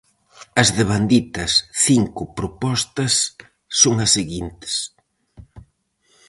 As devanditas cinco propostas son as seguintes: